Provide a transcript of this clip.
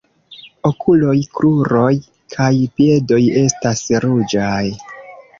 Okuloj, kruroj kaj piedoj estas ruĝaj.